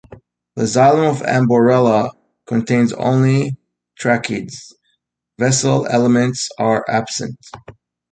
The xylem of "Amborella" contains only tracheids; vessel elements are absent.